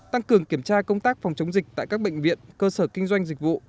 tăng cường kiểm tra công tác phòng chống dịch tại các bệnh viện cơ sở kinh doanh dịch vụ